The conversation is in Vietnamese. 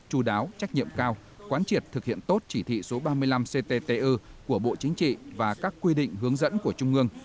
chú đáo trách nhiệm cao quán triệt thực hiện tốt chỉ thị số ba mươi năm cttu của bộ chính trị và các quy định hướng dẫn của trung ương